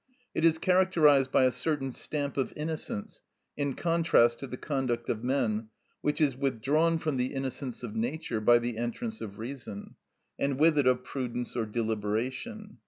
It is characterised by a certain stamp of innocence, in contrast to the conduct of men, which is withdrawn from the innocence of nature by the entrance of reason, and with it of prudence or deliberation.